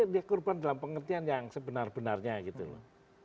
dia korban dalam pengertian yang sebenar benarnya gitu loh